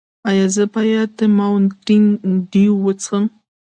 ایا زه باید ماونټین ډیو وڅښم؟